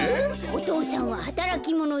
「お父さんははたらきものです。